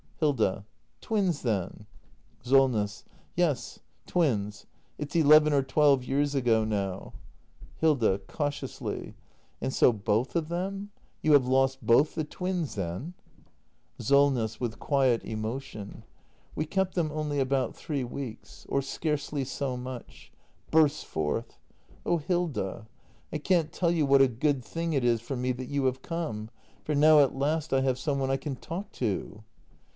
Hilda. Twins, then. Solness. Yes, twins. It's eleven or twelve years ago now. act ii] THE MASTER BUILDER 343 Hilda. [Cautiously.] And so both of them ? You have lost both the twins, then ? SOLNESS. [With quiet emotion.] We kept them only about three weeks. Or scarcely so much. [Bursts forth.] Oh, Hilda, I can't tell you what a good thing it is for me that you have come! For now at last I have some one I can talk to!